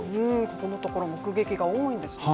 ここのところ、目撃が多いんですね。